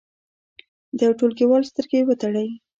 د یو ټولګیوال سترګې وتړئ.